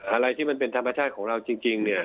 อะไรที่มันเป็นธรรมชาติของเราจริงเนี่ย